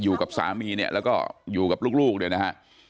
อยู่กับสามีเนี่ยแล้วก็อยู่กับลูกเนี่ยนะฮะ